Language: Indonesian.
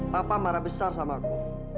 papa marah besar sama aku